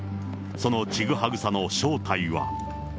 そのちぐはぐさの正体は。